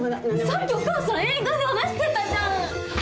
さっきお母さん映画って話してたじゃん。